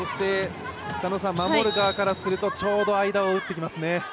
守る側からするとちょうど間を打ってきますね。